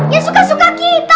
yang suka suka kita